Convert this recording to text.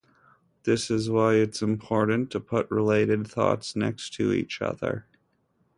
This is why it’s important to put related thoughts next to each other.